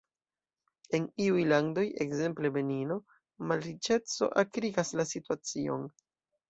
En iuj landoj – ekzemple Benino – malriĉeco akrigas la situacion.